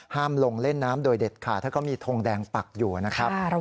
ลงเล่นน้ำโดยเด็ดขาดถ้าเขามีทงแดงปักอยู่นะครับ